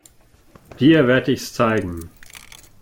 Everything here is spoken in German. Dir werd ich's zeigen.